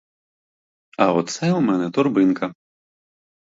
А оце у мене торбинка.